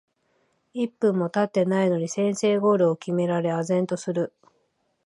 一分もたってないのに先制ゴールを決められ呆然とする